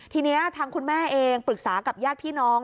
ทีนี้ทางคุณแม่เองปรึกษากับญาติพี่น้อง